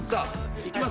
行きます！